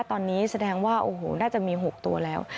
ตอนนี้แสดงว่าโอ้โหน่าจะมี๖ตัวแล้ว